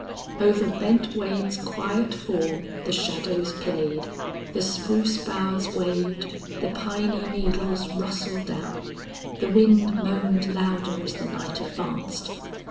Over Bent Wade's quiet form the shadows played, the spruce boughs waved, the piny needles rustled down, the wind moaned louder as the night advanced.